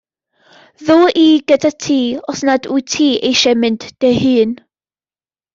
Ddo i gyda ti os nad wyt ti eisiau mynd dy hun.